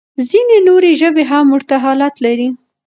ځينې نورې ژبې هم ورته حالت لري.